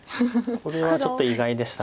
これはちょっと意外でした。